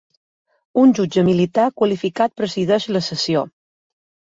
Un jutge militar qualificat presideix la sessió.